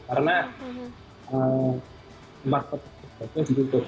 karena tempat penyelenggaraan itu dikutuk